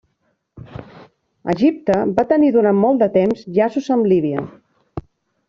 Egipte va tenir durant molt de temps llaços amb Líbia.